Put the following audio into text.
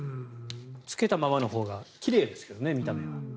つけたままのほうが奇麗ですけどね、見た目は。